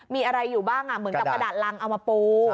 มีอะไรอยู่บ้างเหมือนกับกระดาษรังเอามาปู